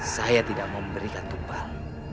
saya tidak mau memberikan tumbal